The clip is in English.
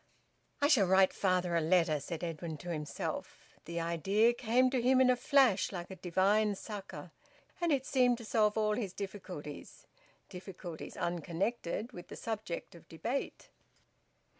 "I shall write father a letter!" said Edwin to himself. The idea came to him in a flash like a divine succour; and it seemed to solve all his difficulties difficulties unconnected with the subject of debate.